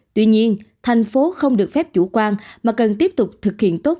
tuy nhiên thành phố không được phép chủ quan mà cần tiếp tục thực hiện tốt